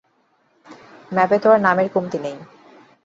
ম্যাপে তো আর নামের কমতি নেই।